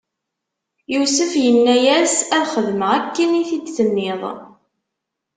Yusef inna-as: Ad xedmeɣ akken i t-id-tenniḍ.